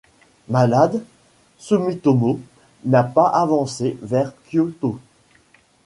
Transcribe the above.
Malade, Sumitomo n'a pas avancé vers Kyoto.